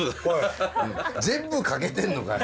全部欠けてんのかい。